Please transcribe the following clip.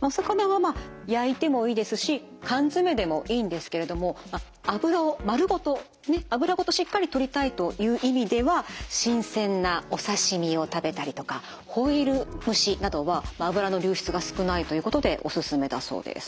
お魚はまあ焼いてもいいですし缶詰でもいいんですけれども脂を丸ごと脂ごとしっかりとりたいという意味では新鮮なお刺身を食べたりとかホイル蒸しなどは脂の流出が少ないということでおすすめだそうです。